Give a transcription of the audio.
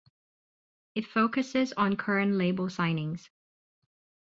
It focuses on current label signings.